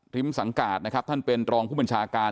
สังกาศนะครับท่านเป็นรองผู้บัญชาการ